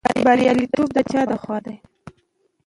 بریالیتوب د چا لخوا دی؟